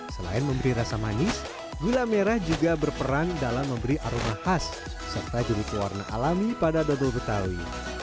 selain memberi rasa manis gula merah juga berperan dalam memberi aroma khas serta jenis warna alami pada dodol betawi